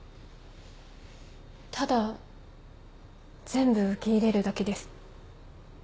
ただ全部受け入れるだけです。